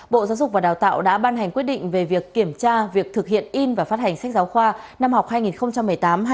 bộ giáo dục và đào tạo đã ban hành quyết định về việc kiểm tra việc thực hiện in và phát hành sách giáo khoa